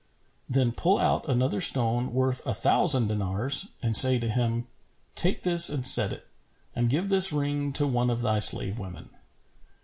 Then pull out another stone worth a thousand dinars and say to him, 'Take this and set it, and give this ring to one of thy slave women.'